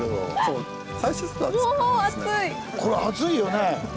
これ熱いよね？